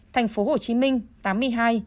thành phố hồ chí minh tám mươi hai